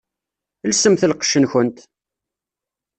Lsemt lqecc-nkent!